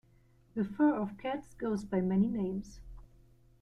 The fur of cats goes by many names.